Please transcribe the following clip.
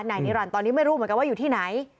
นายนิรันดิ์ตอนนี้ไม่รู้เหมือนกันว่าอยู่ที่ไหน